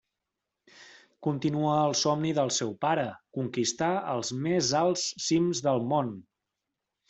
Continua el somni del seu pare: conquistar els més alts cims del món.